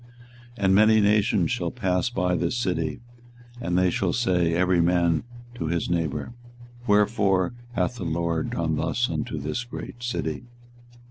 24:022:008 And many nations shall pass by this city, and they shall say every man to his neighbour, Wherefore hath the LORD done thus unto this great city?